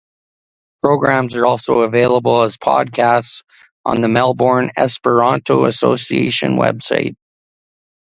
Programs are also available as podcasts on the Melbourne Esperanto Association website.